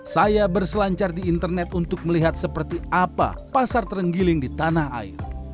saya berselancar di internet untuk melihat seperti apa pasar terenggiling di tanah air